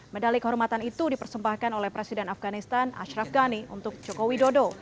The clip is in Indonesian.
medali kehormatan itu dipersembahkan oleh presiden afganistan ashraf ghani untuk joko widodo